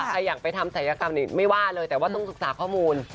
ใครอยากไปทำศัยกรรมนี้ไม่ว่าเลยแต่ว่าต้องศึกษาข้อมูล